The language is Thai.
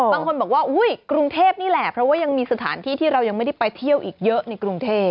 บางคนบอกว่าอุ้ยกรุงเทพนี่แหละเพราะว่ายังมีสถานที่ที่เรายังไม่ได้ไปเที่ยวอีกเยอะในกรุงเทพ